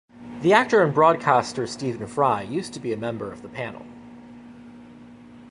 The actor and broadcaster Stephen Fry used to be a member of the panel.